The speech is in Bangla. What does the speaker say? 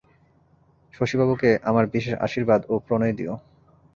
শশীবাবুকে আমার বিশেষ আশীর্বাদ ও প্রণয় দিও।